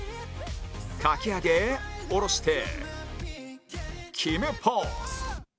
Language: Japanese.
かき上げ下ろして決めポーズ